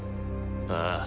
ああ。